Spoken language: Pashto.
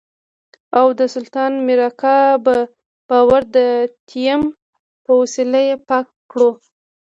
او د سلطان مير اکا په باور د تيمم په وسيله يې پاکه کړو.